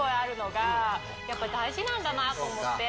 が大事なんだなと思って。